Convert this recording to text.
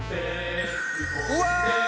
うわ！